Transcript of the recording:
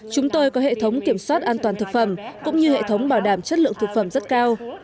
chúng tôi có hệ thống kiểm soát an toàn thực phẩm cũng như hệ thống bảo đảm chất lượng thực phẩm rất cao